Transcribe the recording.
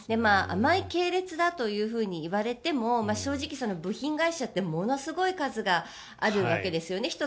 甘い系列だといわれても正直、部品会社ってものすごい数があるわけですよね